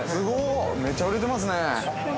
◆めっちゃ売れてますね。